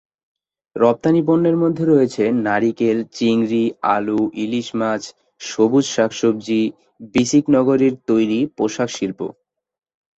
রপ্তানী পণ্যের মধ্যে রয়েছে নারিকেল, চিংড়ি, আলু, ইলিশ মাছ, সবুজ শাক-সবজি, বিসিক নগরীর তৈরি পোশাক শিল্প।